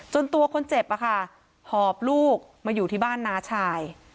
ตัวคนเจ็บหอบลูกมาอยู่ที่บ้านน้าชาย